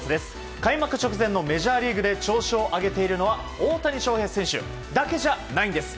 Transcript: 開幕直前のメジャーリーグで調子を上げているのは大谷選手だけじゃないんです。